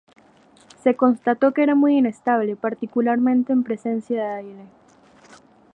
Se constató que era muy inestable, particularmente en presencia de aire.